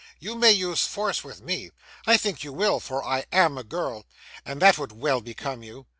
You may use force with me; I think you will, for I AM a girl, and that would well become you.